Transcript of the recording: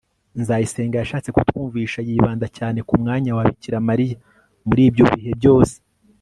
nzayisenga yashatse kutwumvisha, yibanda cyane ku mwanya wa bikira mariya muri ibyo bihe byose